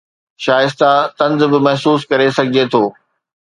شائستہ طنز به محسوس ڪري سگھجي ٿو